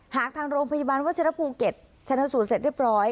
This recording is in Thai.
หากทางโรงพยาบาลวัชิรภูเก็ตชนะสูตรเสร็จเรียบร้อย